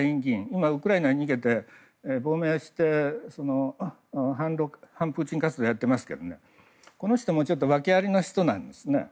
今、ウクライナへ逃げて亡命して反プーチン活動をやってますがこの人も訳ありな人なんですね。